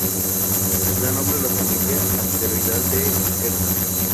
Da nombre a la familia asteroidal de Herta.